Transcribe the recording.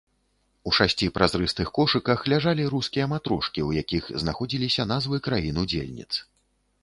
У шасці празрыстых кошыках ляжалі рускія матрошкі, у якіх знаходзіліся назвы краін-удзельніц.